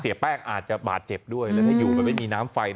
แป้งอาจจะบาดเจ็บด้วยแล้วถ้าอยู่มันไม่มีน้ำไฟ